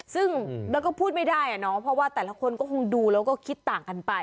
ซึ่งเราก็พูดไม่ได้อะเนาะเพราะว่าแต่ละคนก็คงดูแล้วก็คิดต่างกันไป